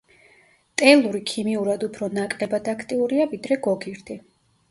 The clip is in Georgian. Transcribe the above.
ტელური ქიმიურად უფრო ნაკლებად აქტიურია ვიდრე გოგირდი.